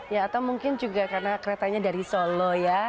ya atau mungkin juga karena keretanya dari solo ya